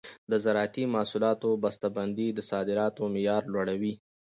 د زراعتي محصولاتو بسته بندي د صادراتو معیار لوړوي.